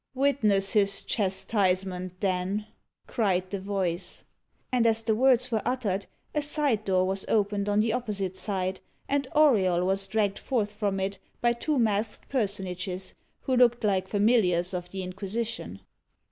"Witness his chastisement, then," cried the voice. And as the words were uttered, a side door was opened on the opposite side, and Auriol was dragged forth from it by two masked personages, who looked like familiars of the Inquisition.